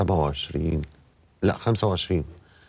ปีอาทิตย์อาทิตย์ห้ามีสปีอาทิตย์อาทิตย์ห้ามีส